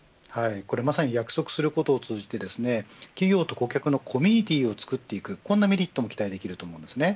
まさに約束することを通じて企業と顧客のコミュニティーをつくっていくメリットも期待できます。